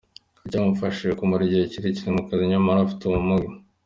Icyamufashije kumara igihe kirekire mu kazi nyamara afite ubumuga.